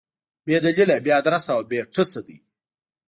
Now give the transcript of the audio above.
بې دلیله، بې ادرسه او بې ټسه دي.